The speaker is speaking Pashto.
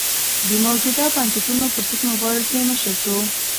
د موجوده بنسټونو پرضد مبارزې مشر شو.